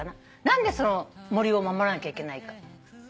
何でその森を守らなきゃいけないか。